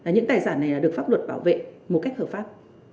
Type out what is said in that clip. những tài sản này được pháp luật bảo vệ một cách hợp pháp